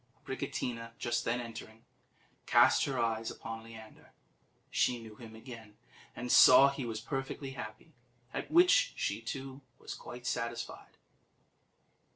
Abricotina, just then entering, cast her eyes upon Leander: she knew him again, and saw he was perfectly happy, at which she, too, was quite satisfied.